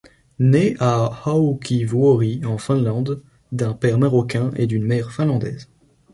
Née à Haukivuori en Finlande d'un père marocain et d'une mère finlandaise.